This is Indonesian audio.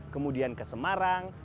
kemudian ke semarang